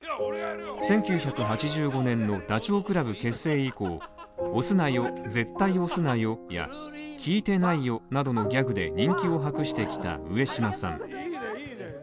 １９８５年のダチョウ倶楽部結成以降押すなよ、絶対押すなよや、聞いてないよなどのギャグで人気を博してきた上島さん